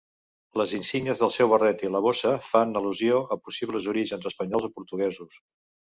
Les insígnies del seu barret i la bossa fan al·lusió a possibles orígens espanyols o portuguesos.